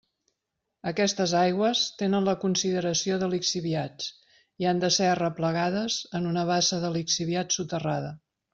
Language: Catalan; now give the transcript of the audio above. Aquestes aigües tenen la consideració de lixiviats i han de ser arreplegades en una bassa de lixiviats soterrada.